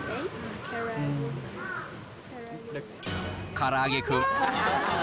からあげクン。